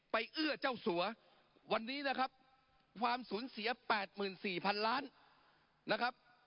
เอื้อเจ้าสัววันนี้นะครับความสูญเสีย๘๔๐๐๐ล้านนะครับ